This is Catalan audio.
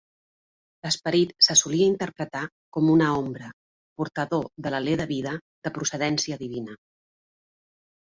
L'esperit se solia interpretar com una ombra, portador de l'alè de vida de procedència divina.